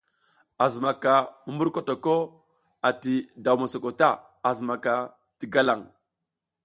A zimaka mumburkotok ati daw mosoko ta, a zimaka ti galaŋ.